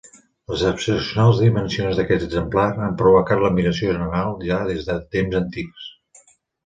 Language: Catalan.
Les excepcionals dimensions d'aquest exemplar han provocat l'admiració general ja des de temps antics.